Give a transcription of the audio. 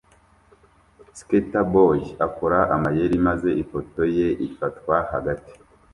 Skater boy akora amayeri maze ifoto ye ifatwa hagati